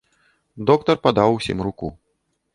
Доктар падаў усім руку.